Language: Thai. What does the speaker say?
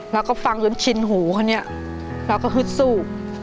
เราก็ฟังจนชินหูเขาเนี่ยเราก็ฮึดสู้